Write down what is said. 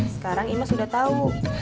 sekarang imas udah tau